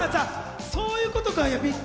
そういうことか。